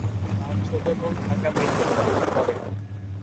তার ছোট বোন ঢাকা মেডিকেল কলেজে পড়ে।